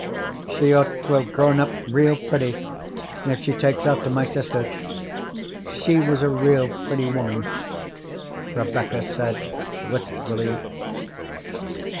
"She ought to have grown up real pretty, if she takes after my sister. She was a real pretty woman," Rebecca said wistfully.